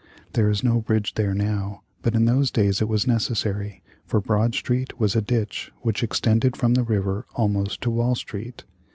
There is no bridge there now, but in those days it was necessary, for Broad Street was a ditch which extended from the river almost to Wall Street.